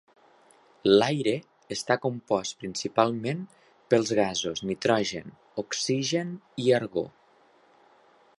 L'aire està compost principalment pels gasos nitrogen, oxigen i argó.